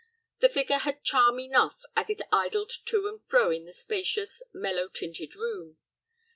The figure had charm enough as it idled to and fro in the spacious, mellow tinted room.